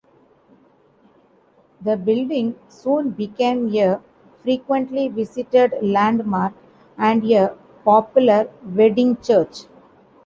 The building soon became a frequently visited landmark and a popular wedding church.